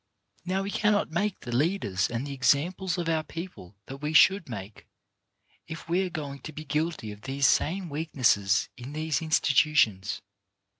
Now we cannot make the leaders and the examples of our people that we should make, if we are going to be guilty of these same weaknesses in these institutions.